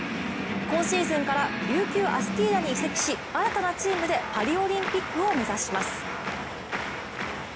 今シーズンから琉球アスティーダに移籍し、新たなチームでパリオリンピックを目指します。